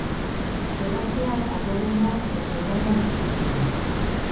Toraxean, abdomenean eta sorbaldan ditu zauriak.